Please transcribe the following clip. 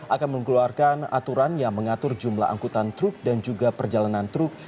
akan mengeluarkan aturan yang mengatur jumlah angkutan truk dan juga perjalanan truk